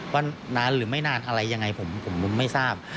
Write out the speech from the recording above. ว่านานหรือไม่นานอะไรยังไงผมไม่ทราบ